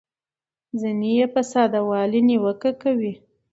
ځینې یې په ساده والي نیوکه کوي.